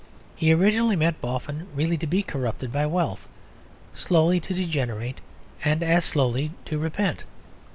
He originally meant Boffin really to be corrupted by wealth, slowly to degenerate and as slowly to repent.